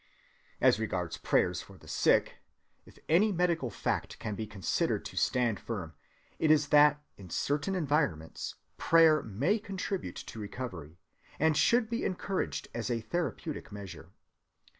As regards prayers for the sick, if any medical fact can be considered to stand firm, it is that in certain environments prayer may contribute to recovery, and should be encouraged as a therapeutic measure.